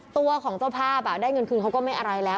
ตัวของเจ้าภาพได้เงินคืนเขาก็ไม่อะไรแล้ว